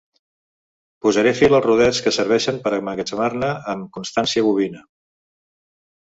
Posaré fil als rodets que serveixen per emmagatzemar-ne amb constància bovina.